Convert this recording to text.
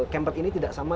camper ini tidak sama